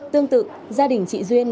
tương tự gia đình chị duyên